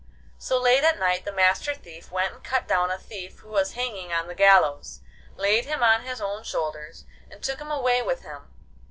So late at night the Master Thief went and cut down a thief who was hanging on the gallows, laid him on his own shoulders, and took him away with him.